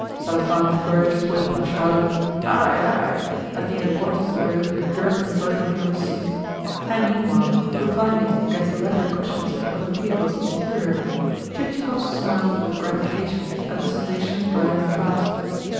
Selifan flourished his whip and shouted, "Hi, hi!" as the inequalities of the road jerked him vertically on his seat; and meanwhile, reclining against the leather cushions of the vehicle's interior, Chichikov smiled with gratification at the sensation of driving fast.